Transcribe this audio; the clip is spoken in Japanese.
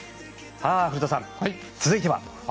古田さん、続いては？